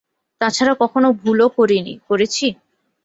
তাছাড়া কখনো ভুলও করিনি, করেছি?